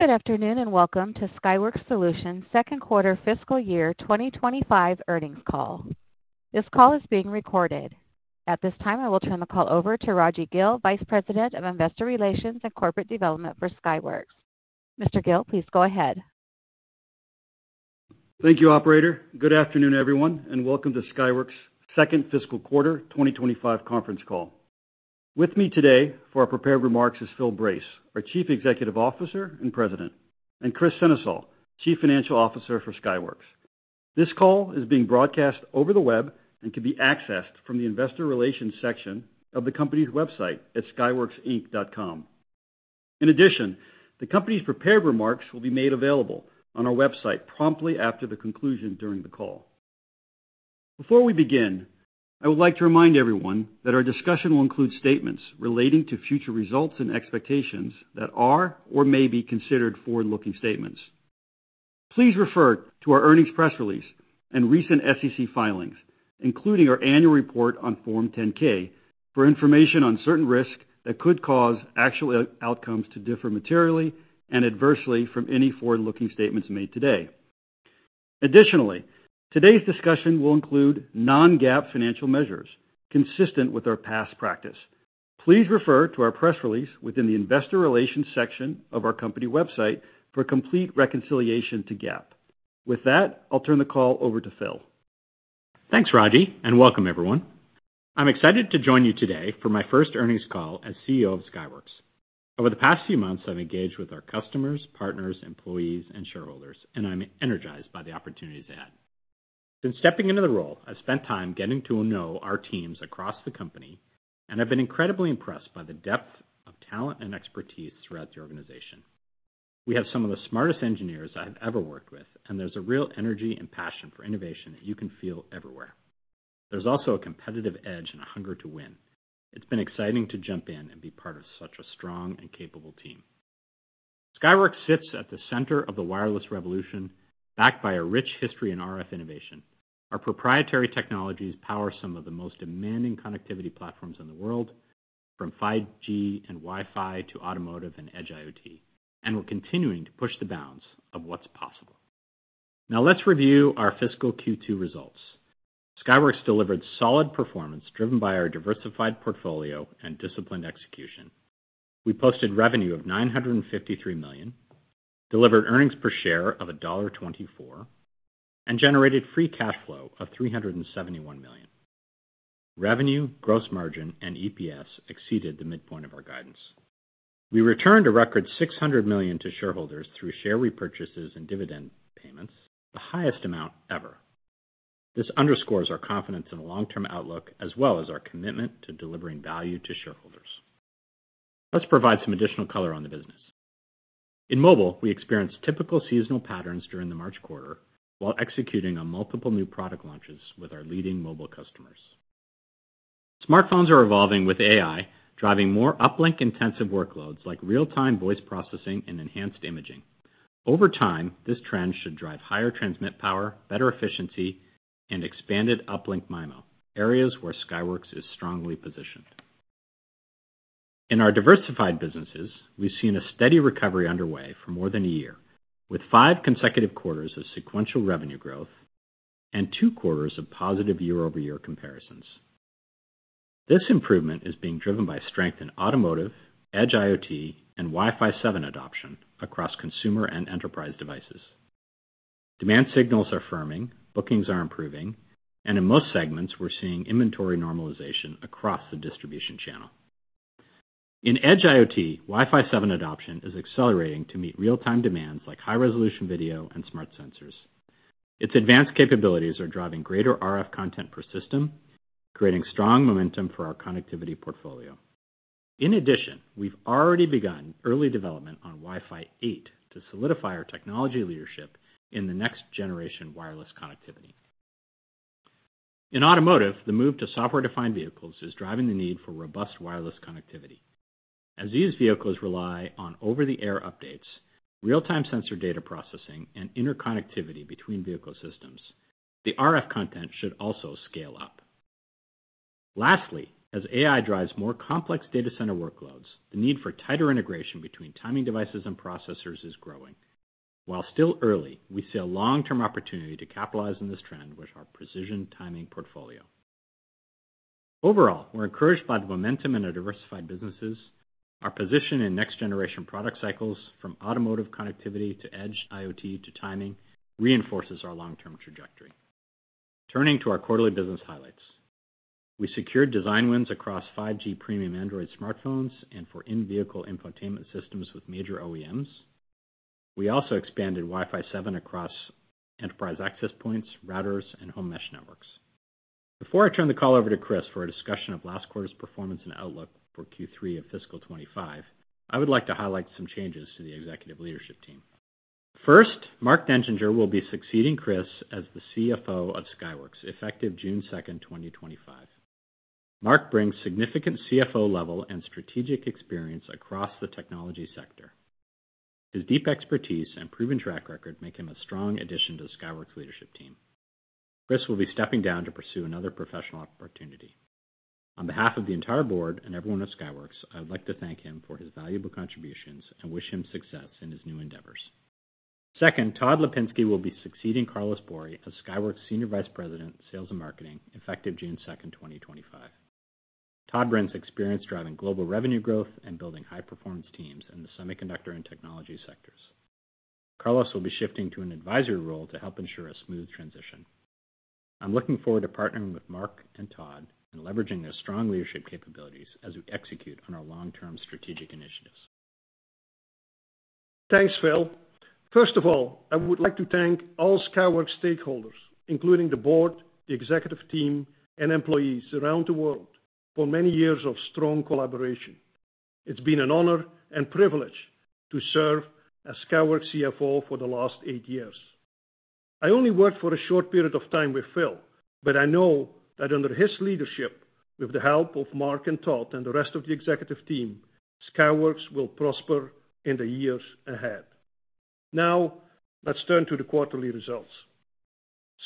Good afternoon and welcome to Skyworks Solutions' second quarter fiscal year 2025 earnings call. This call is being recorded. At this time, I will turn the call over to Raji Gill, Vice President of Investor Relations and Corporate Development for Skyworks. Mr. Gill, please go ahead. Thank you, Operator. Good afternoon, everyone, and welcome to Skyworks' second fiscal quarter 2025 conference call. With me today for our prepared remarks is Phil Brace, our Chief Executive Officer and President, and Kris Sennesael, Chief Financial Officer for Skyworks. This call is being broadcast over the web and can be accessed from the Investor Relations section of the company's website at skyworksinc.com. In addition, the company's prepared remarks will be made available on our website promptly after the conclusion during the call. Before we begin, I would like to remind everyone that our discussion will include statements relating to future results and expectations that are or may be considered forward-looking statements. Please refer to our earnings press release and recent SEC filings, including our annual report on Form 10-K, for information on certain risks that could cause actual outcomes to differ materially and adversely from any forward-looking statements made today. Additionally, today's discussion will include non-GAAP financial measures consistent with our past practice. Please refer to our press release within the Investor Relations section of our company website for complete reconciliation to GAAP. With that, I'll turn the call over to Phil. Thanks, Raji, and welcome, everyone. I'm excited to join you today for my first earnings call as CEO of Skyworks. Over the past few months, I've engaged with our customers, partners, employees, and shareholders, and I'm energized by the opportunities ahead. Since stepping into the role, I've spent time getting to know our teams across the company, and I've been incredibly impressed by the depth of talent and expertise throughout the organization. We have some of the smartest engineers I've ever worked with, and there's a real energy and passion for innovation that you can feel everywhere. There's also a competitive edge and a hunger to win. It's been exciting to jump in and be part of such a strong and capable team. Skyworks sits at the center of the wireless revolution, backed by a rich history in RF innovation. Our proprietary technologies power some of the most demanding connectivity platforms in the world, from 5G and Wi-Fi to automotive and Edge IoT, and we're continuing to push the bounds of what's possible. Now, let's review our fiscal Q2 results. Skyworks delivered solid performance driven by our diversified portfolio and disciplined execution. We posted revenue of $953 million, delivered earnings per share of $1.24, and generated free cash flow of $371 million. Revenue, gross margin, and EPS exceeded the midpoint of our guidance. We returned a record $600 million to shareholders through share repurchases and dividend payments, the highest amount ever. This underscores our confidence in the long-term outlook as well as our commitment to delivering value to shareholders. Let's provide some additional color on the business. In mobile, we experienced typical seasonal patterns during the March quarter while executing on multiple new product launches with our leading mobile customers. Smartphones are evolving with AI, driving more uplink-intensive workloads like real-time voice processing and enhanced imaging. Over time, this trend should drive higher transmit power, better efficiency, and expanded uplink MIMO, areas where Skyworks is strongly positioned. In our diversified businesses, we have seen a steady recovery underway for more than a year, with five consecutive quarters of sequential revenue growth and two quarters of positive year-over-year comparisons. This improvement is being driven by strength in automotive, Edge IoT, and Wi-Fi 7 adoption across consumer and enterprise devices. Demand signals are firming, bookings are improving, and in most segments, we are seeing inventory normalization across the distribution channel. In Edge IoT, Wi-Fi 7 adoption is accelerating to meet real-time demands like high-resolution video and smart sensors. Its advanced capabilities are driving greater RF content per system, creating strong momentum for our connectivity portfolio. In addition, we've already begun early development on Wi-Fi 8 to solidify our technology leadership in the next-generation wireless connectivity. In automotive, the move to software-defined vehicles is driving the need for robust wireless connectivity. As these vehicles rely on over-the-air updates, real-time sensor data processing, and interconnectivity between vehicle systems, the RF content should also scale up. Lastly, as AI drives more complex data center workloads, the need for tighter integration between timing devices and processors is growing. While still early, we see a long-term opportunity to capitalize on this trend with our precision timing portfolio. Overall, we're encouraged by the momentum in our diversified businesses. Our position in next-generation product cycles, from automotive connectivity to Edge IoT to timing, reinforces our long-term trajectory. Turning to our quarterly business highlights, we secured design wins across 5G premium Android smartphones and for in-vehicle infotainment systems with major OEMs. We also expanded Wi-Fi 7 across enterprise access points, routers, and home mesh networks. Before I turn the call over to Kris for a discussion of last quarter's performance and outlook for Q3 of fiscal 2025, I would like to highlight some changes to the executive leadership team. First, Mark Dentinger will be succeeding Kris as the CFO of Skyworks, effective June 2nd 2025. Mark brings significant CFO-level and strategic experience across the technology sector. His deep expertise and proven track record make him a strong addition to the Skyworks leadership team. Kris will be stepping down to pursue another professional opportunity. On behalf of the entire board and everyone at Skyworks, I would like to thank him for his valuable contributions and wish him success in his new endeavors. Second, Todd Lepinski will be succeeding Carlos Bori as Skyworks Senior Vice President, Sales and Marketing, effective June 2nd 2025. Todd brings experience driving global revenue growth and building high-performance teams in the semiconductor and technology sectors. Carlos will be shifting to an advisory role to help ensure a smooth transition. I'm looking forward to partnering with Mark and Todd and leveraging their strong leadership capabilities as we execute on our long-term strategic initiatives. Thanks, Phil. First of all, I would like to thank all Skyworks stakeholders, including the board, the executive team, and employees around the world, for many years of strong collaboration. It's been an honor and privilege to serve as Skyworks CFO for the last eight years. I only worked for a short period of time with Phil, but I know that under his leadership, with the help of Mark and Todd and the rest of the executive team, Skyworks will prosper in the years ahead. Now, let's turn to the quarterly results.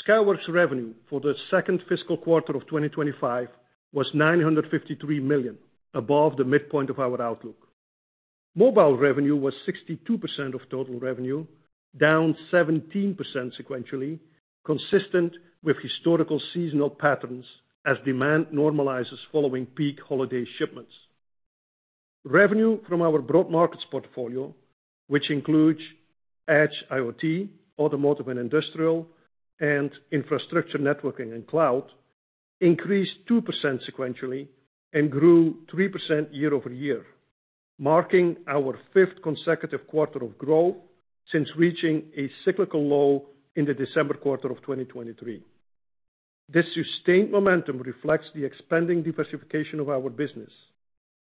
Skyworks' revenue for the second fiscal quarter of 2025 was $953 million, above the midpoint of our outlook. Mobile revenue was 62% of total revenue, down 17% sequentially, consistent with historical seasonal patterns as demand normalizes following peak holiday shipments. Revenue from our broad markets portfolio, which includes Edge IoT, automotive and industrial, and infrastructure networking and cloud, increased 2% sequentially and grew 3% year-over-year, marking our fifth consecutive quarter of growth since reaching a cyclical low in the December quarter of 2023. This sustained momentum reflects the expanding diversification of our business,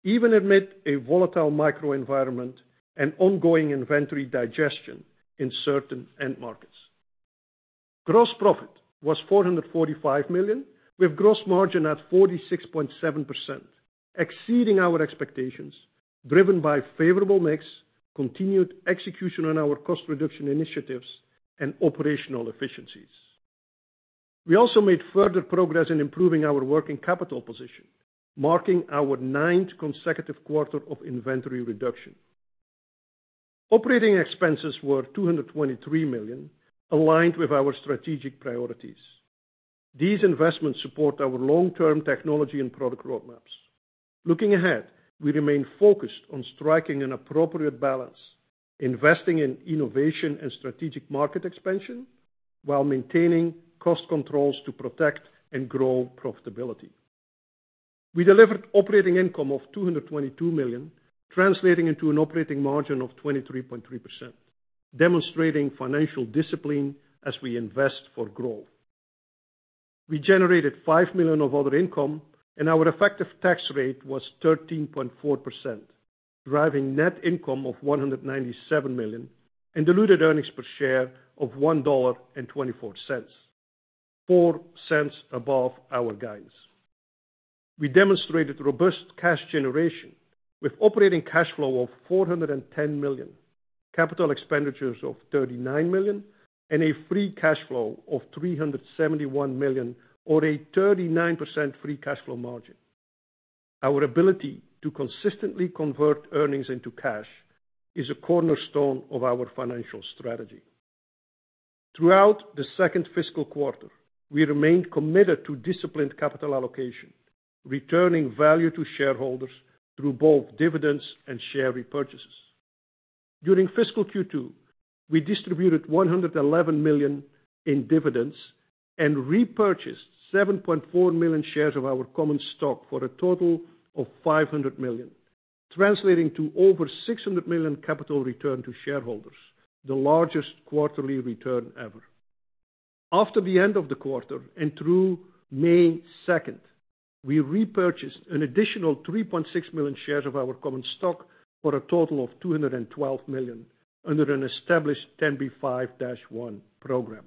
even amid a volatile microenvironment and ongoing inventory digestion in certain end markets. Gross profit was $445 million, with gross margin at 46.7%, exceeding our expectations, driven by a favorable mix, continued execution on our cost reduction initiatives, and operational efficiencies. We also made further progress in improving our working capital position, marking our ninth consecutive quarter of inventory reduction. Operating expenses were $223 million, aligned with our strategic priorities. These investments support our long-term technology and product roadmaps. Looking ahead, we remain focused on striking an appropriate balance, investing in innovation and strategic market expansion, while maintaining cost controls to protect and grow profitability. We delivered operating income of $222 million, translating into an operating margin of 23.3%, demonstrating financial discipline as we invest for growth. We generated $5 million of other income, and our effective tax rate was 13.4%, driving net income of $197 million and diluted earnings per share of $1.24, 4 cents above our guidance. We demonstrated robust cash generation with operating cash flow of $410 million, capital expenditures of $39 million, and a free cash flow of $371 million, or a 39% free cash flow margin. Our ability to consistently convert earnings into cash is a cornerstone of our financial strategy. Throughout the second fiscal quarter, we remained committed to disciplined capital allocation, returning value to shareholders through both dividends and share repurchases. During fiscal Q2, we distributed $111 million in dividends and repurchased 7.4 million shares of our common stock for a total of $500 million, translating to over $600 million capital return to shareholders, the largest quarterly return ever. After the end of the quarter and through May 2nd, we repurchased an additional 3.6 million shares of our common stock for a total of $212 million under an established 10b5-1 program.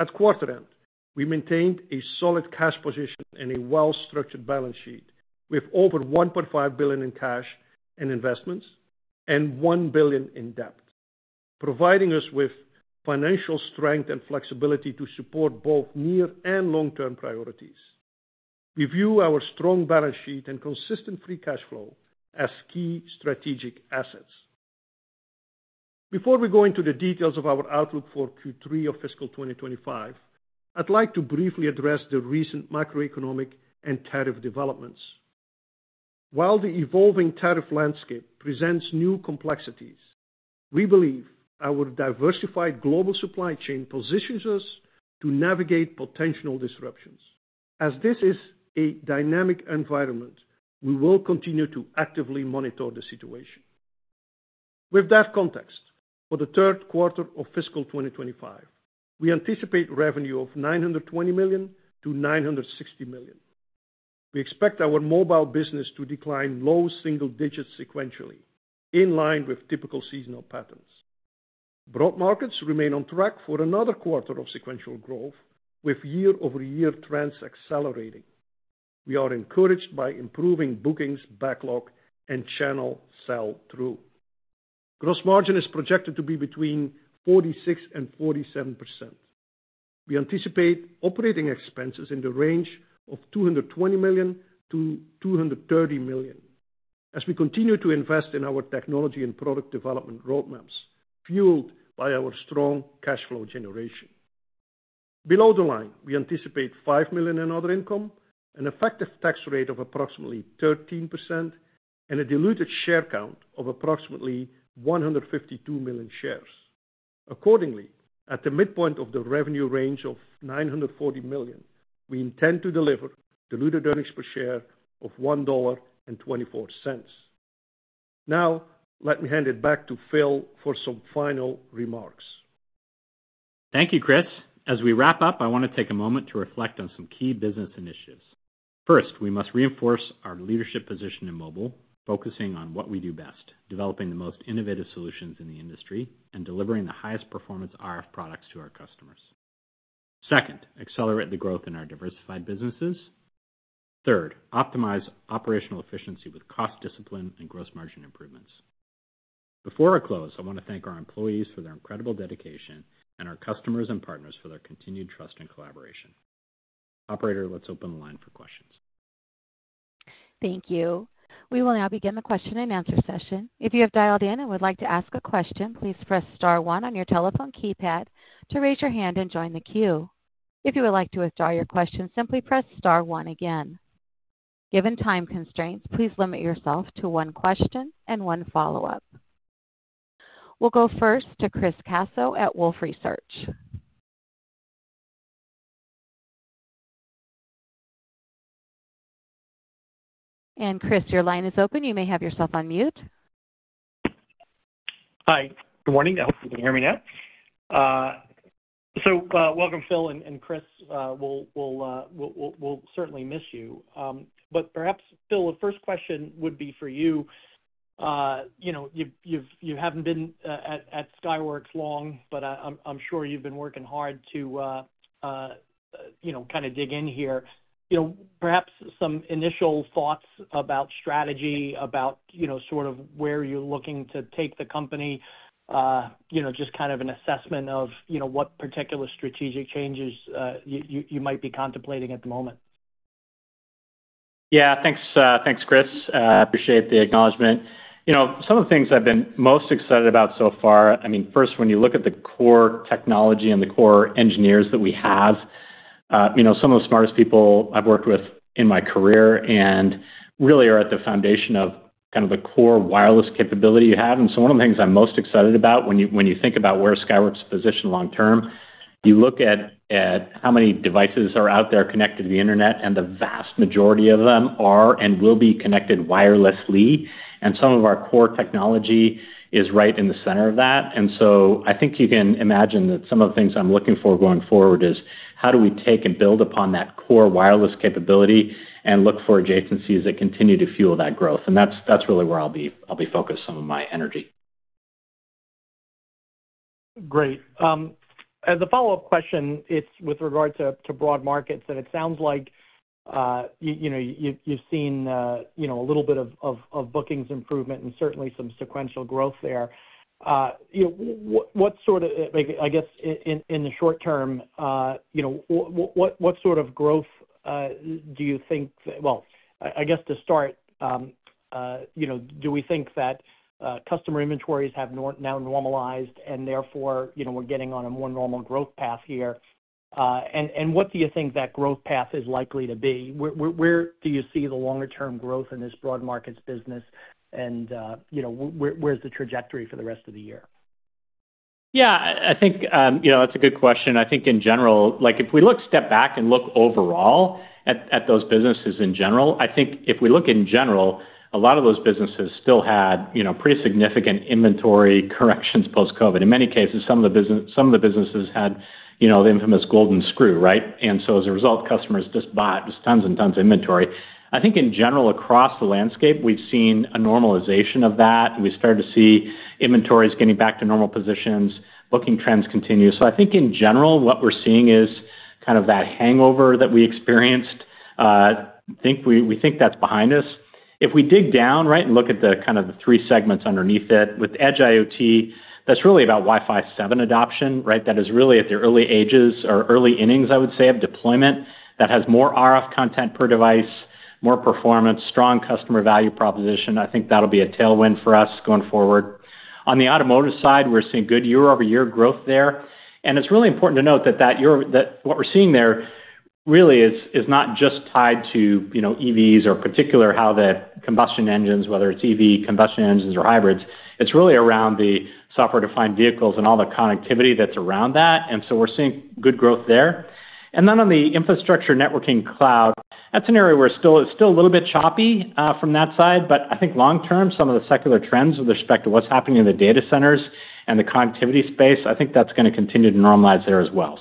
At quarter end, we maintained a solid cash position and a well-structured balance sheet with over $1.5 billion in cash and investments and $1 billion in debt, providing us with financial strength and flexibility to support both near and long-term priorities. We view our strong balance sheet and consistent free cash flow as key strategic assets. Before we go into the details of our outlook for Q3 of fiscal 2025, I'd like to briefly address the recent macroeconomic and tariff developments. While the evolving tariff landscape presents new complexities, we believe our diversified global supply chain positions us to navigate potential disruptions. As this is a dynamic environment, we will continue to actively monitor the situation. With that context, for the third quarter of fiscal 2025, we anticipate revenue of $920 million-$960 million. We expect our mobile business to decline low single digits sequentially, in line with typical seasonal patterns. Broad markets remain on track for another quarter of sequential growth, with year-over-year trends accelerating. We are encouraged by improving bookings, backlog, and channel sell-through. Gross margin is projected to be between 46%-47%. We anticipate operating expenses in the range of $220 million-$230 million as we continue to invest in our technology and product development roadmaps, fueled by our strong cash flow generation. Below the line, we anticipate $5 million in other income, an effective tax rate of approximately 13%, and a diluted share count of approximately 152 million shares. Accordingly, at the midpoint of the revenue range of $940 million, we intend to deliver diluted earnings per share of $1.24. Now, let me hand it back to Phil for some final remarks. Thank you, Kris. As we wrap up, I want to take a moment to reflect on some key business initiatives. First, we must reinforce our leadership position in mobile, focusing on what we do best: developing the most innovative solutions in the industry and delivering the highest-performance RF products to our customers. Second, accelerate the growth in our diversified businesses. Third, optimize operational efficiency with cost discipline and gross margin improvements. Before I close, I want to thank our employees for their incredible dedication and our customers and partners for their continued trust and collaboration. Operator, let's open the line for questions. Thank you. We will now begin the question and answer session. If you have dialed in and would like to ask a question, please press star one on your telephone keypad to raise your hand and join the queue. If you would like to withdraw your question, simply press star one again. Given time constraints, please limit yourself to one question and one follow-up. We'll go first to Chris Caso at Wolfe Research. Chris, your line is open. You may have yourself on mute. Hi. Good morning. I hope you can hear me now. Welcome, Phil and Kris. We'll certainly miss you. Perhaps, Phil, the first question would be for you. You haven't been at Skyworks long, but I'm sure you've been working hard to kind of dig in here. Perhaps some initial thoughts about strategy, about sort of where you're looking to take the company, just kind of an assessment of what particular strategic changes you might be contemplating at the moment? Yeah. Thanks, Chris. I appreciate the acknowledgment. Some of the things I've been most excited about so far, I mean, first, when you look at the core technology and the core engineers that we have, some of the smartest people I've worked with in my career and really are at the foundation of kind of the core wireless capability you have. One of the things I'm most excited about when you think about where Skyworks is positioned long-term, you look at how many devices are out there connected to the internet, and the vast majority of them are and will be connected wirelessly. Some of our core technology is right in the center of that. I think you can imagine that some of the things I'm looking for going forward is how do we take and build upon that core wireless capability and look for adjacencies that continue to fuel that growth? That is really where I'll be focused some of my energy. Great. As a follow-up question, it's with regard to broad markets. It sounds like you've seen a little bit of bookings improvement and certainly some sequential growth there. In the short term, what sort of growth do you think? To start, do we think that customer inventories have now normalized and therefore we're getting on a more normal growth path here? What do you think that growth path is likely to be? Where do you see the longer-term growth in this broad markets business? Where's the trajectory for the rest of the year? Yeah. I think that's a good question. I think in general, if we step back and look overall at those businesses in general, I think if we look in general, a lot of those businesses still had pretty significant inventory corrections post-COVID. In many cases, some of the businesses had the infamous golden screw, right? And as a result, customers just bought tons and tons of inventory. I think in general, across the landscape, we've seen a normalization of that. We started to see inventories getting back to normal positions, booking trends continue. I think in general, what we're seeing is kind of that hangover that we experienced. I think we think that's behind us. If we dig down, right, and look at the kind of three segments underneath it, with Edge IoT, that's really about Wi-Fi 7 adoption, right? That is really at the early ages or early innings, I would say, of deployment. That has more RF content per device, more performance, strong customer value proposition. I think that'll be a tailwind for us going forward. On the automotive side, we're seeing good year-over-year growth there. It is really important to note that what we're seeing there really is not just tied to EVs or particular how the combustion engines, whether it's EV combustion engines or hybrids. It is really around the software-defined vehicles and all the connectivity that's around that. We are seeing good growth there. On the infrastructure networking cloud, that's an area where it's still a little bit choppy from that side. I think long-term, some of the secular trends with respect to what's happening in the data centers and the connectivity space, I think that's going to continue to normalize there as well.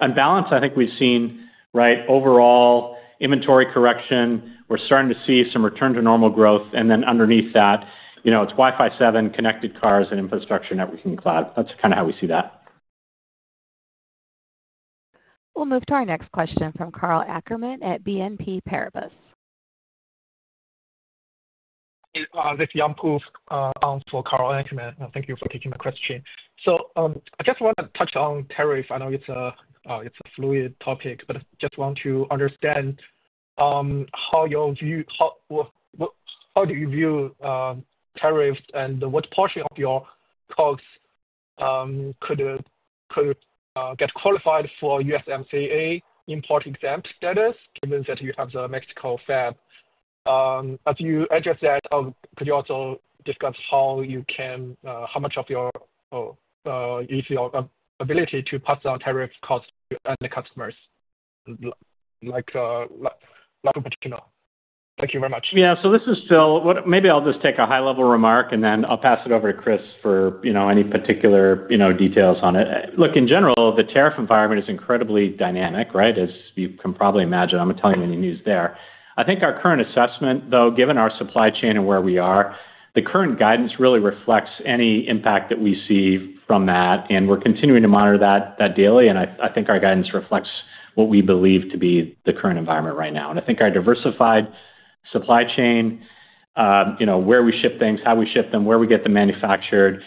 On balance, I think we've seen, right, overall inventory correction. We're starting to see some return to normal growth. Underneath that, it's Wi-Fi 7, connected cars, and infrastructure networking cloud. That's kind of how we see that. We'll move to our next question from Karl Ackerman at BNP Paribas. Hey, this is Jan-Koos Arnold for Karl Ackerman. Thank you for taking my question. I just want to touch on tariffs. I know it's a fluid topic, but I just want to understand how do you view tariffs and what portion of your costs could get qualified for USMCA import-exempt status, given that you have the Mexico Fab? As you just said, could you also discuss how much of your ability to pass down tariff costs to end customers like Argentina? Thank you very much. Yeah. This is Phil. Maybe I'll just take a high-level remark and then I'll pass it over to Kris for any particular details on it. Look, in general, the tariff environment is incredibly dynamic, right, as you can probably imagine. I'm not telling you any news there. I think our current assessment, though, given our supply chain and where we are, the current guidance really reflects any impact that we see from that. We're continuing to monitor that daily. I think our guidance reflects what we believe to be the current environment right now. I think our diversified supply chain, where we ship things, how we ship them, where we get them manufactured,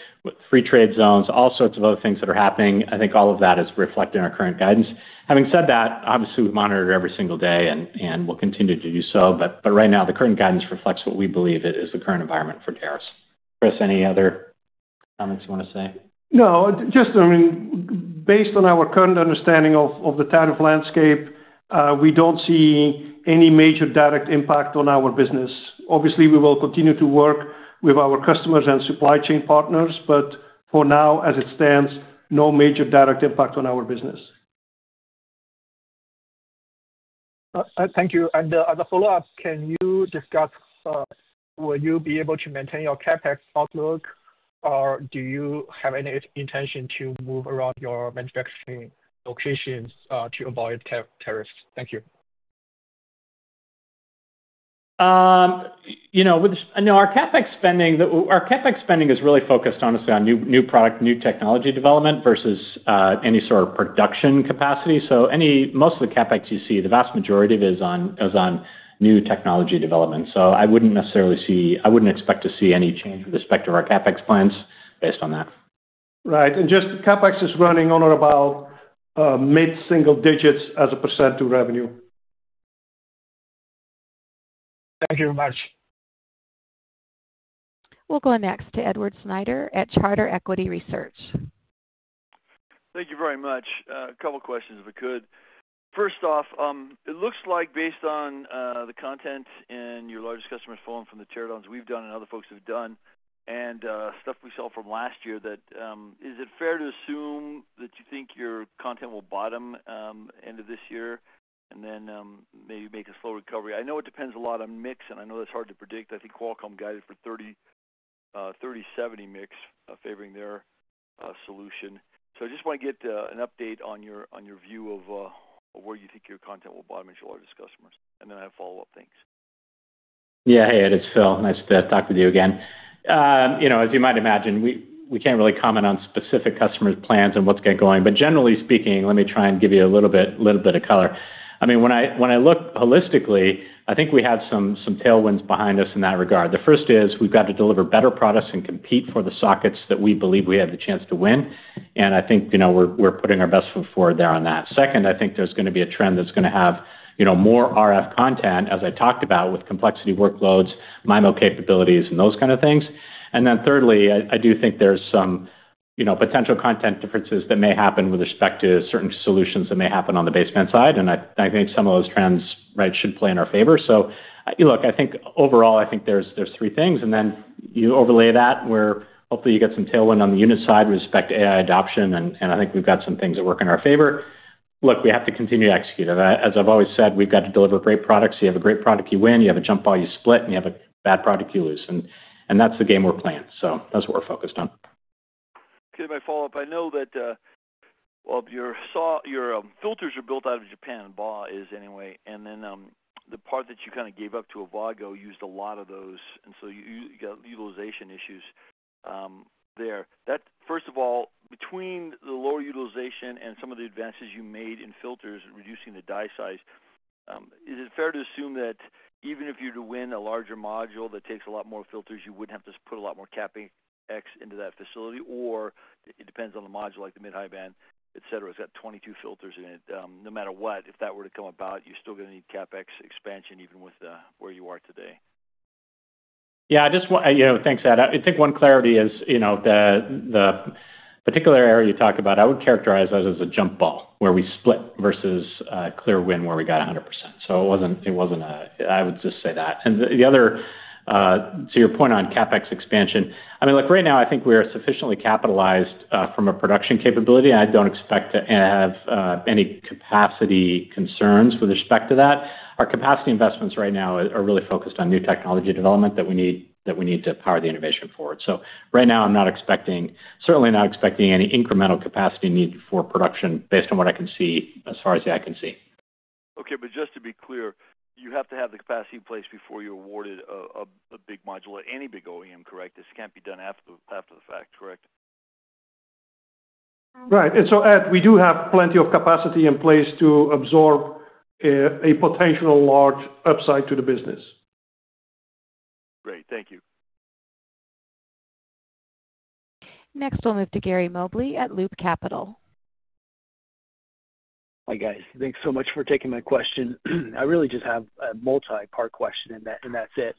free trade zones, all sorts of other things that are happening, I think all of that is reflected in our current guidance. Having said that, obviously, we monitor it every single day and will continue to do so. Right now, the current guidance reflects what we believe is the current environment for tariffs. Kris, any other comments you want to say? No. Just, I mean, based on our current understanding of the tariff landscape, we do not see any major direct impact on our business. Obviously, we will continue to work with our customers and supply chain partners. For now, as it stands, no major direct impact on our business. Thank you. As a follow-up, can you discuss will you be able to maintain your CapEx outlook, or do you have any intention to move around your manufacturing locations to avoid tariffs? Thank you. I know our CapEx spending is really focused, honestly, on new product, new technology development versus any sort of production capacity. Most of the CapEx you see, the vast majority of it is on new technology development. I wouldn't necessarily expect to see any change with respect to our CapEx plans based on that. Right. CapEx is running on or about mid-single digits as a percent to revenue. Thank you very much. We'll go next to Edward Snyder at Charter Equity Research. Thank you very much. A couple of questions, if we could. First off, it looks like based on the content in your largest customer's phone from the teardowns we've done and other folks have done and stuff we saw from last year, is it fair to assume that you think your content will bottom end of this year and then maybe make a slow recovery? I know it depends a lot on mix, and I know that's hard to predict. I think Qualcomm guided for 30/70 mix favoring their solution. I just want to get an update on your view of where you think your content will bottom as your largest customers. I have follow-up things. Yeah. Hey, it is Phil. Nice to talk with you again. As you might imagine, we can't really comment on specific customers' plans and what's going on. Generally speaking, let me try and give you a little bit of color. I mean, when I look holistically, I think we have some tailwinds behind us in that regard. The first is we've got to deliver better products and compete for the sockets that we believe we have the chance to win. I think we're putting our best foot forward there on that. Second, I think there's going to be a trend that's going to have more RF content, as I talked about, with complexity workloads, MIMO capabilities, and those kinds of things. Thirdly, I do think there's some potential content differences that may happen with respect to certain solutions that may happen on the basement side. I think some of those trends should play in our favor. Look, I think overall, I think there are three things. Then you overlay that where hopefully you get some tailwind on the unit side with respect to AI adoption. I think we have some things that work in our favor. Look, we have to continue to execute. As I have always said, we have to deliver great products. You have a great product, you win. You have a jump ball, you split. You have a bad product, you lose. That is the game we are playing. That is what we are focused on. Can I follow up? I know that your filters are built out of Japan, BAW is anyway. Then the part that you kind of gave up to Avago used a lot of those. You got utilization issues there. First of all, between the lower utilization and some of the advances you made in filters and reducing the die size, is it fair to assume that even if you were to win a larger module that takes a lot more filters, you would not have to put a lot more CapEx into that facility? Or it depends on the module, like the mid-high band, etc. It has 22 filters in it. No matter what, if that were to come about, you are still going to need CapEx expansion even with where you are today. Yeah. Thanks, Add. I think one clarity is the particular area you talk about, I would characterize that as a jump ball where we split versus clear win where we got 100%. It was not a—I would just say that. To your point on CapEx expansion, I mean, look, right now, I think we are sufficiently capitalized from a production capability. I do not expect to have any capacity concerns with respect to that. Our capacity investments right now are really focused on new technology development that we need to power the innovation forward. Right now, I am certainly not expecting any incremental capacity need for production based on what I can see as far as the eye can see. Okay. Just to be clear, you have to have the capacity in place before you are awarded a big module at any big OEM, correct? This cannot be done after the fact, correct? Right. We do have plenty of capacity in place to absorb a potential large upside to the business. Great. Thank you. Next, we'll move to Gary Mobley at Loop Capital. Hi, guys. Thanks so much for taking my question. I really just have a multi-part question, and that's it.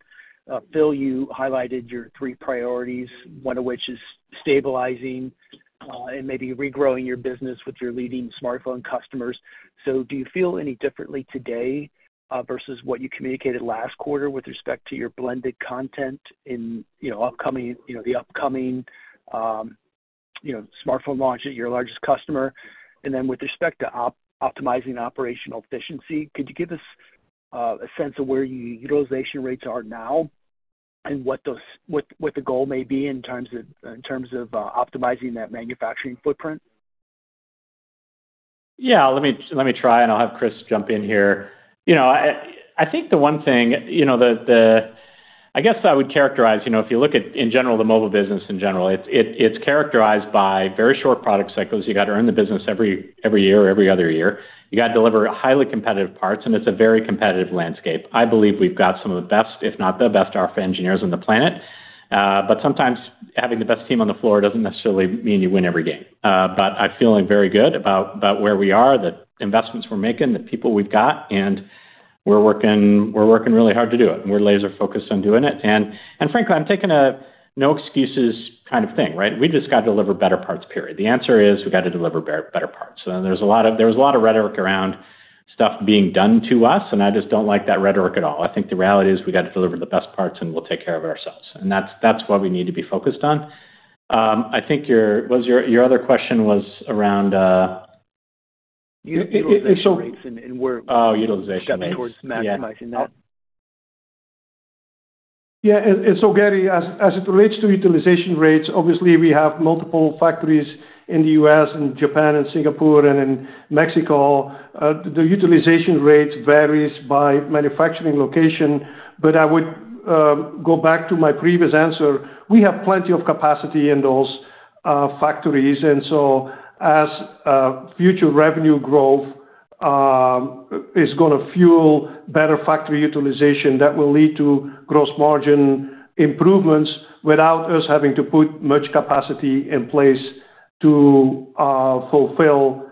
Phil, you highlighted your three priorities, one of which is stabilizing and maybe regrowing your business with your leading smartphone customers. Do you feel any differently today versus what you communicated last quarter with respect to your blended content in the upcoming smartphone launch at your largest customer? With respect to optimizing operational efficiency, could you give us a sense of where your utilization rates are now and what the goal may be in terms of optimizing that manufacturing footprint? Yeah. Let me try, and I'll have Kris jump in here. I think the one thing that I guess I would characterize, if you look at, in general, the mobile business in general, it's characterized by very short product cycles. You got to earn the business every year or every other year. You got to deliver highly competitive parts. It's a very competitive landscape. I believe we've got some of the best, if not the best, RF engineers on the planet. Sometimes having the best team on the floor doesn't necessarily mean you win every game. I'm feeling very good about where we are, the investments we're making, the people we've got. We're working really hard to do it. We're laser-focused on doing it. Frankly, I'm taking a no excuses kind of thing, right? We just got to deliver better parts, period. The answer is we got to deliver better parts. There is a lot of rhetoric around stuff being done to us. I just do not like that rhetoric at all. I think the reality is we got to deliver the best parts, and we will take care of it ourselves. That is what we need to be focused on. I think your other question was around? Utilization rates and where it's coming towards maximizing that. Yeah. Gary, as it relates to utilization rates, obviously, we have multiple factories in the U.S. and Japan and Singapore and in Mexico. The utilization rate varies by manufacturing location. I would go back to my previous answer. We have plenty of capacity in those factories. As future revenue growth is going to fuel better factory utilization, that will lead to gross margin improvements without us having to put much capacity in place to fulfill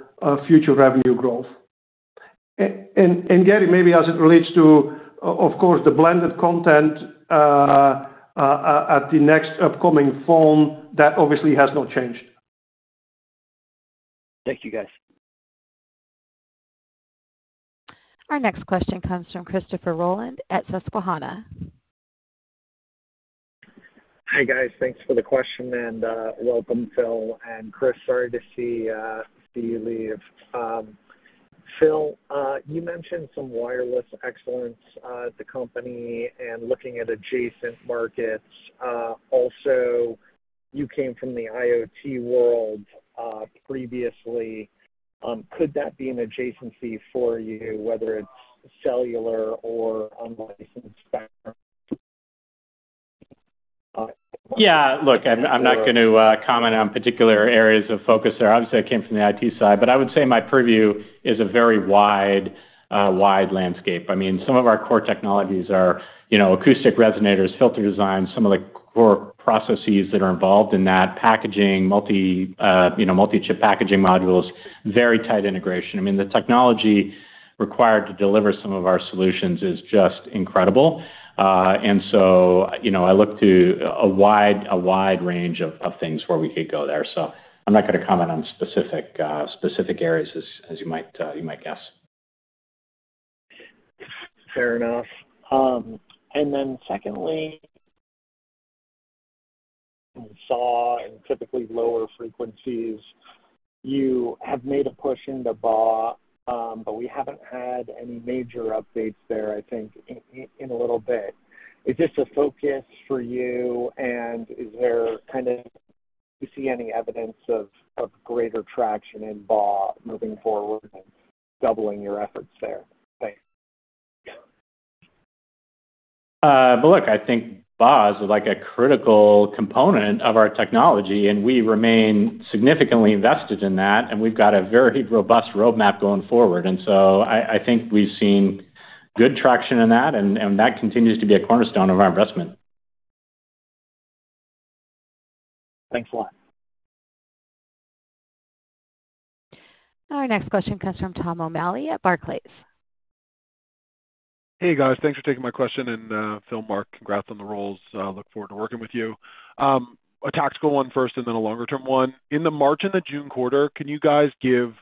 future revenue growth. Gary, maybe as it relates to, of course, the blended content at the next upcoming phone, that obviously has not changed. Thank you, guys. Our next question comes from Christopher Rolland at Susquehanna. Hey, guys. Thanks for the question. Welcome, Phil. Kris, sorry to see you leave. Phil, you mentioned some wireless excellence at the company and looking at adjacent markets. Also, you came from the IoT world previously. Could that be an adjacency for you, whether it's cellular or unlicensed? Yeah. Look, I'm not going to comment on particular areas of focus there. Obviously, I came from the IT side. I would say my purview is a very wide landscape. I mean, some of our core technologies are acoustic resonators, filter designs, some of the core processes that are involved in that, packaging, multi-chip packaging modules, very tight integration. I mean, the technology required to deliver some of our solutions is just incredible. I look to a wide range of things where we could go there. I'm not going to comment on specific areas, as you might guess. Fair enough. Then secondly, we saw in typically lower frequencies, you have made a push into BAW, but we haven't had any major updates there, I think, in a little bit. Is this a focus for you? Is there kind of, do you see any evidence of greater traction in BAW moving forward and doubling your efforts there? Thanks. I think BAW is a critical component of our technology. We remain significantly invested in that. We have a very robust roadmap going forward. I think we have seen good traction in that. That continues to be a cornerstone of our investment. Thanks a lot. Our next question comes from Tom O'Malley at Barclays. Hey, guys. Thanks for taking my question. Phil, Mark, congrats on the roles. Look forward to working with you. A tactical one first and then a longer-term one. In the March and the June quarter, can you guys give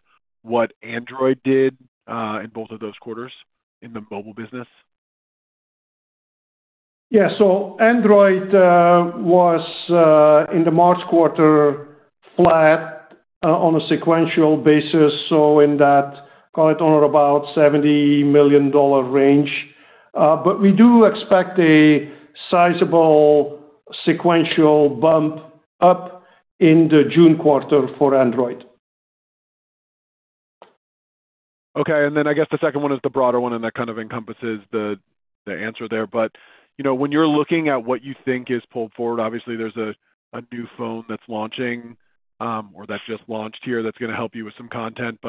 what Android did in both of those quarters in the mobile business? Yeah. Android was, in the March quarter, flat on a sequential basis. In that, call it on or about $70 million range. We do expect a sizable sequential bump up in the June quarter for Android. Okay. I guess the second one is the broader one and that kind of encompasses the answer there. When you're looking at what you think is pulled forward, obviously, there's a new phone that's launching or that just launched here that's going to help you with some content.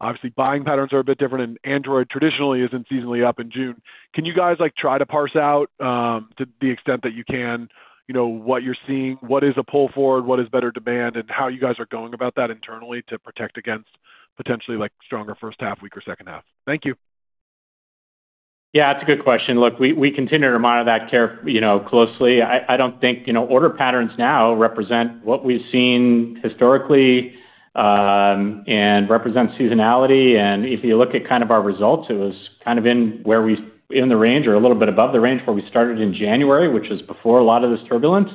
Obviously, buying patterns are a bit different. Android traditionally isn't seasonally up in June. Can you guys try to parse out, to the extent that you can, what you're seeing? What is a pull forward? What is better demand? How you guys are going about that internally to protect against potentially stronger first half, weaker second half? Thank you. Yeah. It's a good question. Look, we continue to monitor that closely. I don't think order patterns now represent what we've seen historically and represent seasonality. If you look at kind of our results, it was kind of in the range or a little bit above the range where we started in January, which was before a lot of this turbulence.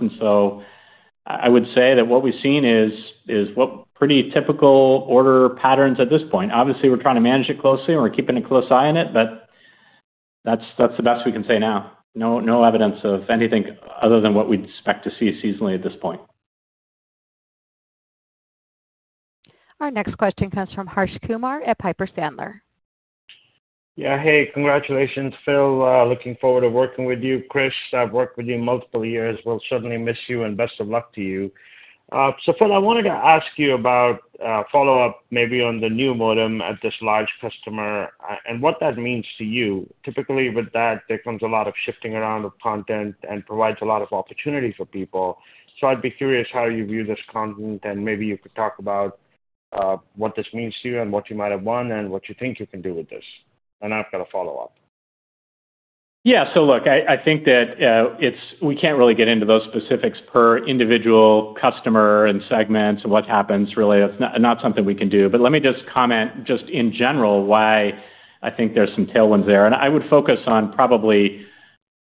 I would say that what we've seen is pretty typical order patterns at this point. Obviously, we're trying to manage it closely, and we're keeping a close eye on it. That's the best we can say now. No evidence of anything other than what we'd expect to see seasonally at this point. Our next question comes from Harsh Kumar at Piper Sandler. Yeah. Hey, congratulations, Phil. Looking forward to working with you, Kris. I've worked with you multiple years. We'll certainly miss you. Best of luck to you. Phil, I wanted to ask you about follow-up maybe on the new modem at this large customer and what that means to you. Typically, with that, there comes a lot of shifting around of content and provides a lot of opportunity for people. I'd be curious how you view this content. Maybe you could talk about what this means to you and what you might have won and what you think you can do with this. I've got a follow-up. Yeah. Look, I think that we can't really get into those specifics per individual customer and segments and what happens. Really, it's not something we can do. Let me just comment just in general why I think there's some tailwinds there. I would focus on probably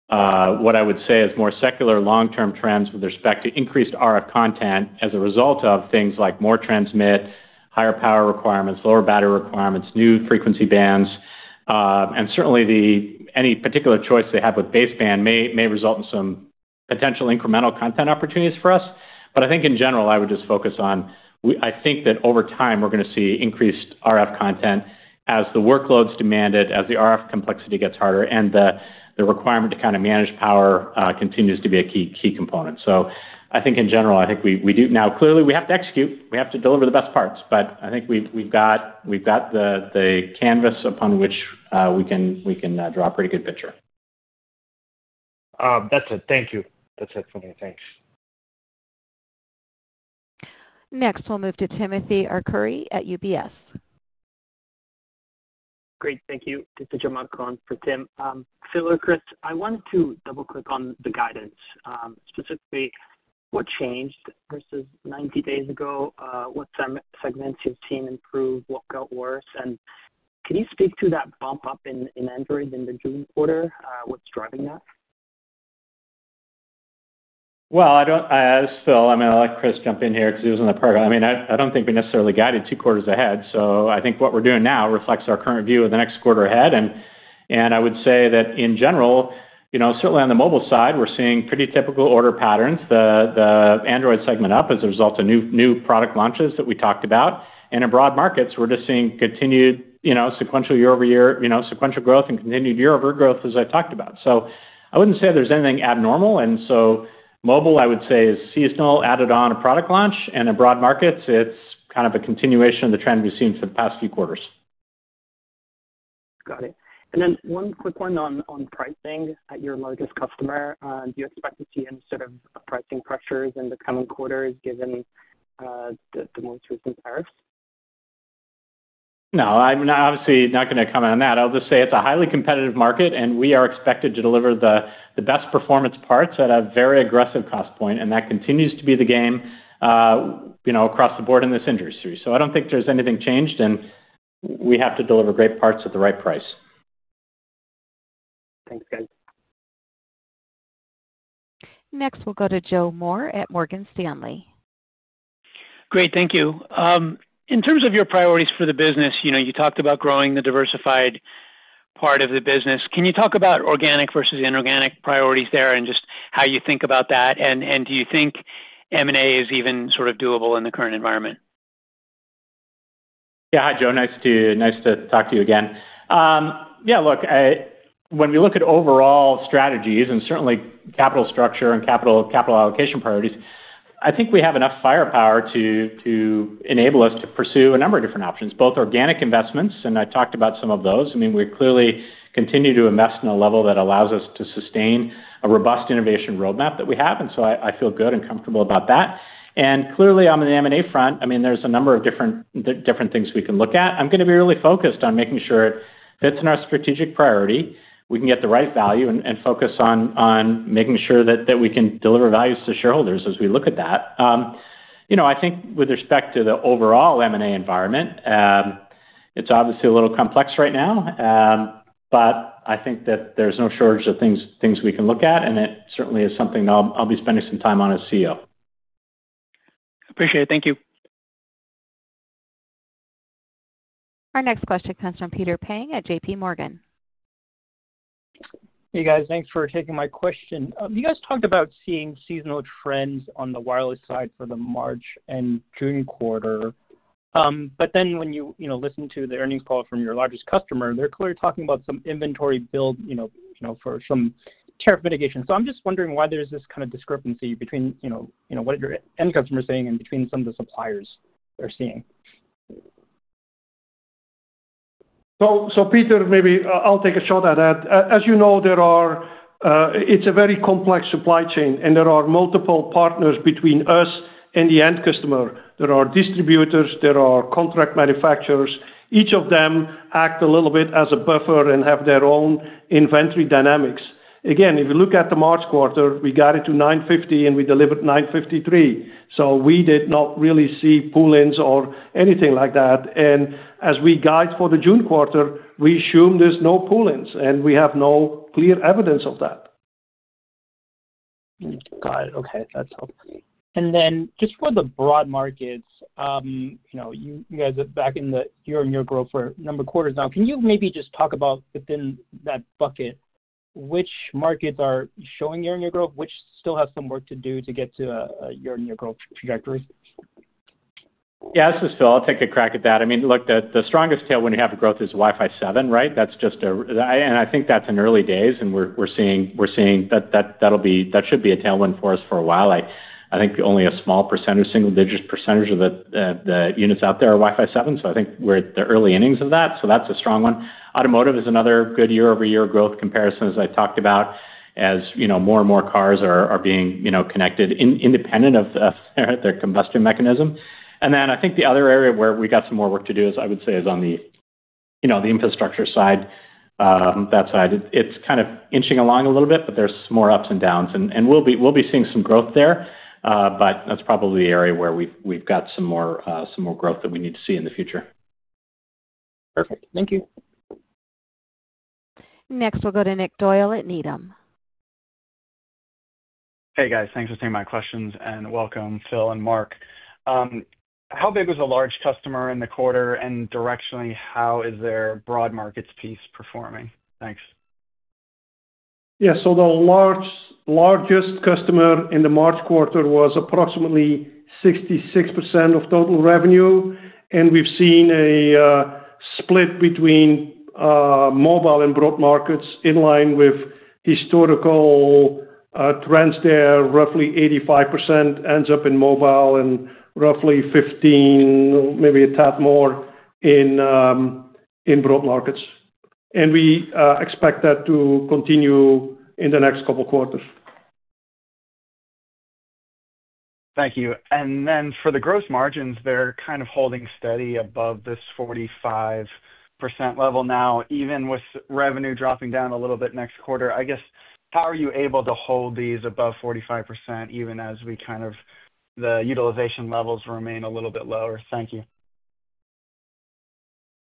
what I would say is more secular long-term trends with respect to increased RF content as a result of things like more transmit, higher power requirements, lower battery requirements, new frequency bands. Certainly, any particular choice they have with baseband may result in some potential incremental content opportunities for us. I think in general, I would just focus on I think that over time, we're going to see increased RF content as the workloads demand it, as the RF complexity gets harder, and the requirement to kind of manage power continues to be a key component. I think in general, I think we do now clearly, we have to execute. We have to deliver the best parts. I think we've got the canvas upon which we can draw a pretty good picture. That's it. Thank you. That's it for me. Thanks. Next, we'll move to Timothy Arcuri at UBS. Great. Thank you. Just to jump on for Tim. Phil or Kris, I wanted to double-click on the guidance, specifically what changed versus 90 days ago, what segments you've seen improve, what got worse. Can you speak to that bump up in Android in the June quarter? What's driving that? As Phil, I mean, I'll let Kris jump in here because he was in the program. I don't think we necessarily guided two quarters ahead. I think what we're doing now reflects our current view of the next quarter ahead. I would say that in general, certainly on the mobile side, we're seeing pretty typical order patterns. The Android segment up as a result of new product launches that we talked about. In broad markets, we're just seeing continued sequential year-over-year sequential growth and continued year-over-year growth, as I talked about. I wouldn't say there's anything abnormal. Mobile, I would say, is seasonal added on a product launch. In broad markets, it's kind of a continuation of the trend we've seen for the past few quarters. Got it. One quick one on pricing at your largest customer. Do you expect to see any sort of pricing pressures in the coming quarters given the most recent tariffs? No. I'm obviously not going to comment on that. I'll just say it's a highly competitive market. We are expected to deliver the best performance parts at a very aggressive cost point. That continues to be the game across the board in this industry. I don't think there's anything changed. We have to deliver great parts at the right price. Thanks, guys. Next, we'll go to Joe Moore at Morgan Stanley. Great. Thank you. In terms of your priorities for the business, you talked about growing the diversified part of the business. Can you talk about organic versus inorganic priorities there and just how you think about that? Do you think M&A is even sort of doable in the current environment? Yeah. Hi, Joe. Nice to talk to you again. Yeah. Look, when we look at overall strategies and certainly capital structure and capital allocation priorities, I think we have enough firepower to enable us to pursue a number of different options, both organic investments. I talked about some of those. I mean, we clearly continue to invest in a level that allows us to sustain a robust innovation roadmap that we have. I feel good and comfortable about that. Clearly, on the M&A front, I mean, there's a number of different things we can look at. I'm going to be really focused on making sure it fits in our strategic priority. We can get the right value and focus on making sure that we can deliver values to shareholders as we look at that. I think with respect to the overall M&A environment, it's obviously a little complex right now. I think that there's no shortage of things we can look at. It certainly is something that I'll be spending some time on as CEO. Appreciate it. Thank you. Our next question comes from Peter Pang at JPMorgan. Hey, guys. Thanks for taking my question. You guys talked about seeing seasonal trends on the wireless side for the March and June quarter. When you listen to the earnings call from your largest customer, they're clearly talking about some inventory build for some tariff mitigation. I'm just wondering why there's this kind of discrepancy between what your end customer is saying and between some of the suppliers they're seeing. Peter, maybe I'll take a shot at that. As you know, it's a very complex supply chain. There are multiple partners between us and the end customer. There are distributors. There are contract manufacturers. Each of them act a little bit as a buffer and have their own inventory dynamics. Again, if you look at the March quarter, we got it to $950 million, and we delivered $953 million. We did not really see poolings or anything like that. As we guide for the June quarter, we assume there's no poolings. We have no clear evidence of that. Got it. Okay. That's helpful. Just for the broad markets, you guys are back in the year-on-year growth for a number of quarters now. Can you maybe just talk about within that bucket, which markets are showing year-on-year growth, which still have some work to do to get to a year-on-year growth trajectory? Yeah. This is Phil. I'll take a crack at that. I mean, look, the strongest tailwind you have of growth is Wi-Fi 7, right? I think that's in early days. We're seeing that that should be a tailwind for us for a while. I think only a small percentage, single-digit percentage of the units out there are Wi-Fi 7. I think we're at the early innings of that. That's a strong one. Automotive is another good year-over-year growth comparison, as I talked about, as more and more cars are being connected independent of their combustion mechanism. I think the other area where we got some more work to do, as I would say, is on the infrastructure side. That side, it's kind of inching along a little bit, but there's more ups and downs. We'll be seeing some growth there. That's probably the area where we've got some more growth that we need to see in the future. Perfect. Thank you. Next, we'll go to Nick Doyle at Needham. Hey, guys. Thanks for taking my questions. Welcome, Phil and Mark. How big was the large customer in the quarter? Directionally, how is their broad markets piece performing? Thanks. Yeah. The largest customer in the March quarter was approximately 66% of total revenue. We have seen a split between mobile and broad markets in line with historical trends there. Roughly 85% ends up in mobile and roughly 15%, maybe a tad more, in broad markets. We expect that to continue in the next couple of quarters. Thank you. For the gross margins, they're kind of holding steady above this 45% level now, even with revenue dropping down a little bit next quarter. I guess, how are you able to hold these above 45% even as we kind of the utilization levels remain a little bit lower? Thank you.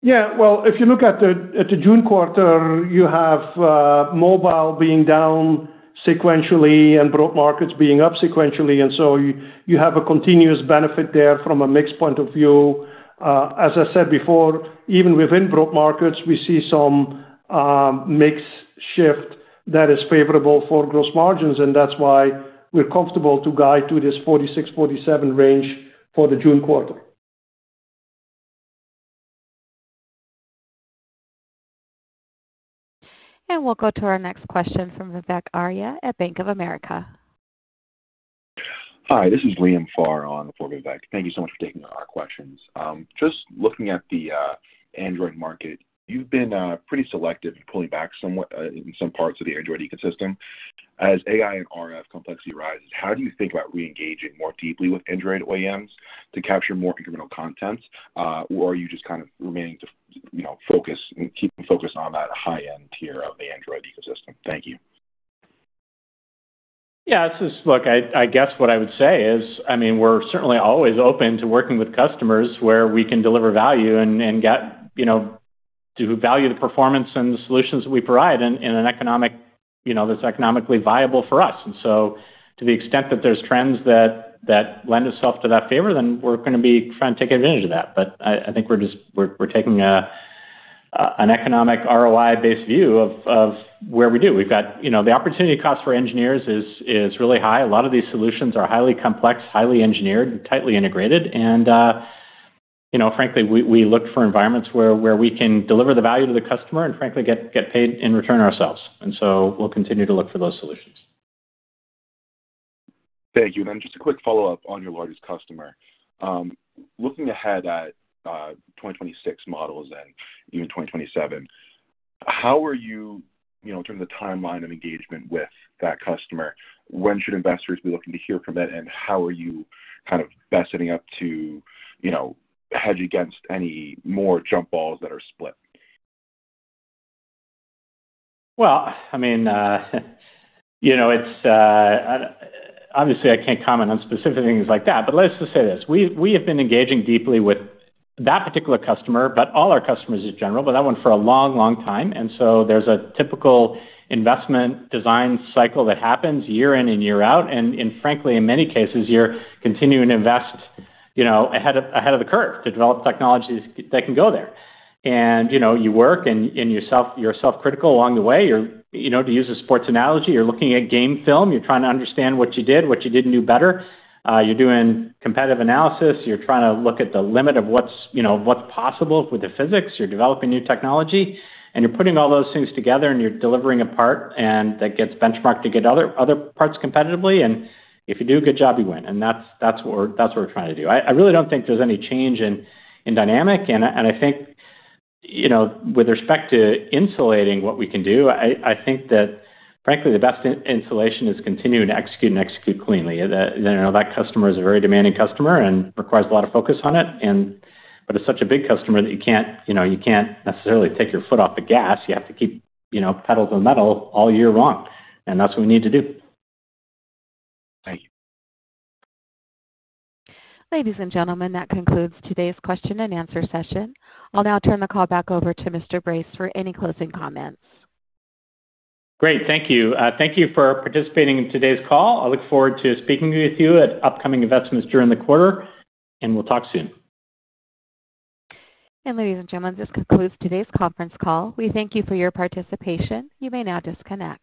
Yeah. If you look at the June quarter, you have mobile being down sequentially and broad markets being up sequentially. You have a continuous benefit there from a mixed point of view. As I said before, even within broad markets, we see some mixed shift that is favorable for gross margins. That is why we're comfortable to guide to this 46%-47% range for the June quarter. We will go to our next question from Vivek Arya at Bank of America. Hi. This is Liam Pharr on the floor with Vivek. Thank you so much for taking our questions. Just looking at the Android market, you have been pretty selective in pulling back in some parts of the Android ecosystem. As AI and RF complexity rises, how do you think about re-engaging more deeply with Android OEMs to capture more incremental content? Or are you just kind of remaining to keep focused on that high-end tier of the Android ecosystem? Thank you. Yeah. Look, I guess what I would say is, I mean, we're certainly always open to working with customers where we can deliver value and do value the performance and the solutions that we provide in an economic that's economically viable for us. To the extent that there's trends that lend itself to that favor, then we're going to be trying to take advantage of that. I think we're taking an economic ROI-based view of where we do. We've got the opportunity cost for engineers is really high. A lot of these solutions are highly complex, highly engineered, and tightly integrated. Frankly, we look for environments where we can deliver the value to the customer and frankly get paid in return ourselves. We'll continue to look for those solutions. Thank you. And then just a quick follow-up on your largest customer. Looking ahead at 2026 models and even 2027, how are you in terms of the timeline of engagement with that customer? When should investors be looking to hear from it? And how are you kind of best setting up to hedge against any more jump balls that are split? I mean, obviously, I can't comment on specific things like that. Let's just say this: we have been engaging deeply with that particular customer, but all our customers in general, but that one for a long, long time. There is a typical investment design cycle that happens year in and year out. Frankly, in many cases, you're continuing to invest ahead of the curve to develop technologies that can go there. You work, and you're self-critical along the way. To use a sports analogy, you're looking at game film. You're trying to understand what you did, what you didn't do better. You're doing competitive analysis. You're trying to look at the limit of what's possible with the physics. You're developing new technology. You're putting all those things together, and you're delivering a part that gets benchmarked to get other parts competitively. If you do a good job, you win. That is what we're trying to do. I really do not think there is any change in dynamic. I think with respect to insulating what we can do, I think that frankly, the best insulation is continuing to execute and execute cleanly. That customer is a very demanding customer and requires a lot of focus on it. It is such a big customer that you cannot necessarily take your foot off the gas. You have to keep pedal to the metal all year long. That is what we need to do. Thank you. Ladies and gentlemen, that concludes today's question and answer session. I'll now turn the call back over to Mr. Brace for any closing comments. Great. Thank you. Thank you for participating in today's call. I look forward to speaking with you at upcoming investments during the quarter. We will talk soon. Ladies and gentlemen, this concludes today's conference call. We thank you for your participation. You may now disconnect.